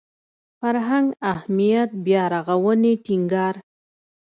فرهنګ اهمیت بیارغاونې ټینګار